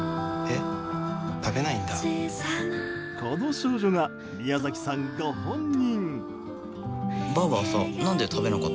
この少女が、宮崎さんご本人。